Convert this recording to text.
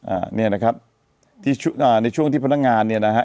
อ่าเนี่ยนะครับที่อ่าในช่วงที่พนักงานเนี่ยนะฮะ